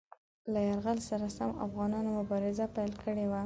له یرغل سره سم افغانانو مبارزه پیل کړې وه.